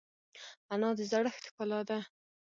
انا د زړښت ښکلا ده